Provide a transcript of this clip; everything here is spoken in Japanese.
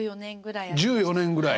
１４年ぐらい。